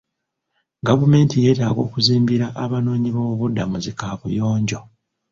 Gavumenti yeetaaga okuzimbira abanoonyi b'obubudamu zi kaabuyonjo.